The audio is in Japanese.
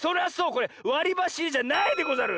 これわりばしいれじゃないでござる！